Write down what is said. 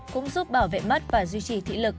cũng giúp bảo vệ mắt và duy trì thị lực